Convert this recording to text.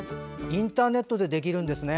インターネットでできるんですね。